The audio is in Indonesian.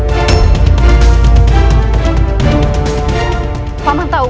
maaf saya tidak mau kabur